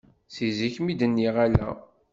Si zik mi d-nniɣ ala.